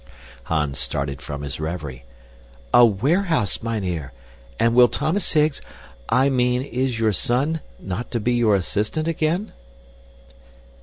Hans started from his reverie. "A warehouse, mynheer! And will Thomas Higgs I mean, is your son not to be your assistant again?"